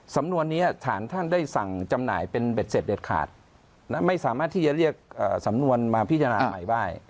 สำนวนนี้ฐานท่านได้สั่งจำหน่ายเป็นเบ็ดเสร็จเด็ดขาดไม่สามารถที่จะเรียกสำนวนมาพิจารณาใหม่ได้